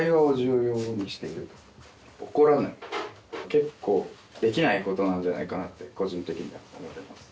結構できないことなんじゃないかなって個人的には思ってます